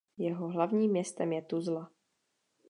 Jeho hlavním městem je Tuzla.